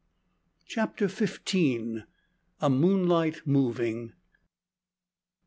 CHAPTER FIFTEEN. A MOONLIGHT MOVING.